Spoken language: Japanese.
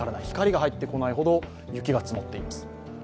光が入ってこないほど雪が積もっています。